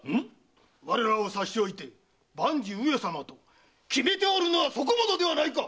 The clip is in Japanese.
我らを差し置いて万事上様と決めておるのはそこもとではないか！